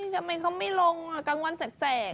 ทำไมเขาไม่ลงกลางวันแสก